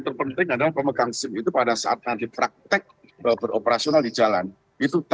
pertama pak bak kapolwi